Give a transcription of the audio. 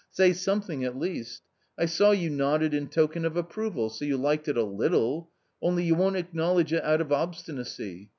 "Say something at least. I saw you nodded in token of approval, so you liked it a little. Only you won't acknowledge it out of obstinacy.